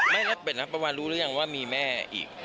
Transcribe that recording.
ไม่เปรตนักประวานรู้หรือยังว่ามีแม่อีก